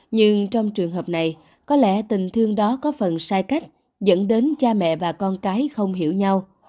nhưng trong trường hợp này có lẽ tình thương đó có phần sai cách dẫn đến cha mẹ và con cái không hiểu nhau